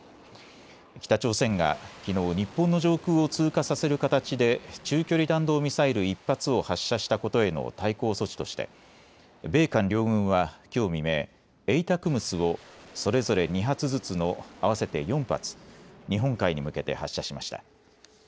北朝鮮がきのう日本の上空を通過させる形で中距離弾道ミサイル１発を発射したことへの対抗措置として米韓両軍はきょう未明、ＡＴＡＣＭＳをそれぞれ２発ずつの合わせて４発、日本海に向けて発射しました。